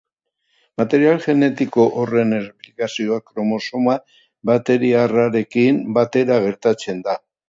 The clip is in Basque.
Material genetiko honen erreplikazioa kromosoma bakteriarrarekin batera gertatzen da.